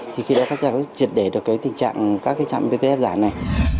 thì khi đó các gia có thể triệt để được cái tình trạng các cái trạm bts giả này